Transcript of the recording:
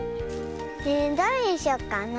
えどれにしよっかなあ。